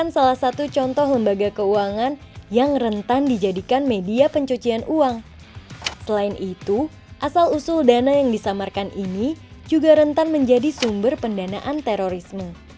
selain itu asal usul dana yang disamarkan ini juga rentan menjadi sumber pendanaan terorisme